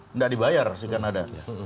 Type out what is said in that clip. tidak dibayar si kanada